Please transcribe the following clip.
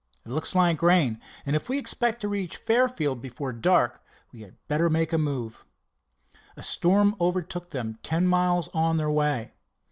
"It looks like rain, and if we expect to reach Fairfield before dark we had better make a move." A storm overtook them ten miles on their way.